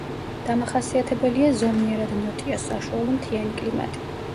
დამახასიათებელია ზომიერად ნოტიო საშუალო მთიანი კლიმატი.